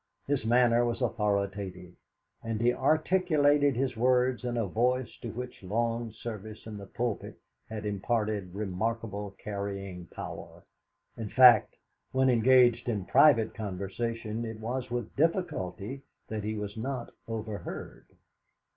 His manner was authoritative, and he articulated his words in a voice to which long service in the pulpit had imparted remarkable carrying power in fact, when engaged in private conversation, it was with difficulty that he was not overheard.